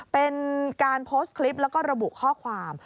เป็นการโพสต์คลิปแล้วก็ระบุข้อความ